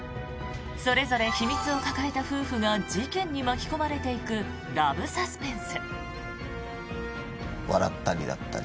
それぞれ秘密を抱えた夫婦が事件に巻き込まれていくラブサスペンス。